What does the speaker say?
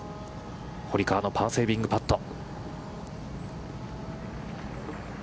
堀川のパーセービングパット。